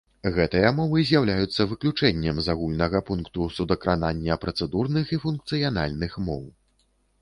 Гэтыя мовы з'яўляюцца выключэннем з агульнага пункту судакранання працэдурных і функцыянальных моў.